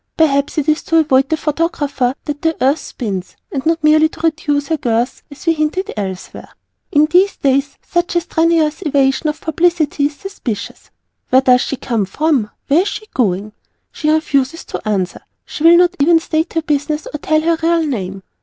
Perhaps it is to avoid the photographer that the Earth spins, and not merely to reduce her girth as we hinted elsewhere. In these days such a strenuous evasion of publicity is suspicious. Where does she come from? Where is she going? She refuses to answer, she will not even state her business or tell her real name.